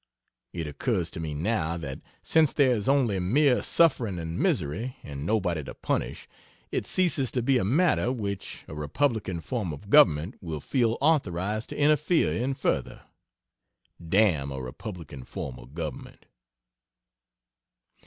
It occurs to me now that, since there is only mere suffering and misery and nobody to punish, it ceases to be a matter which (a republican form of) government will feel authorized to interfere in further. Dam a republican form of government.